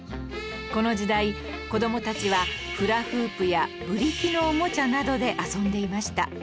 この時代子どもたちはフラフープやブリキのおもちゃなどで遊んでいました